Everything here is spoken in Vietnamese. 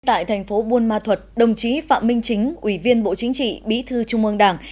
tại thành phố buôn ma thuật đồng chí phạm minh chính ủy viên bộ chính trị bí thư trung ương đảng